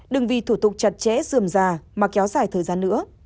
đừng vì thủ tục chặt chẽ dườm già mà kéo dài thời gian nữa